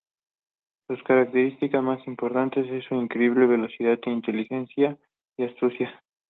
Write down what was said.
Su característica más importante es su increíble velocidad, inteligencia y astucia.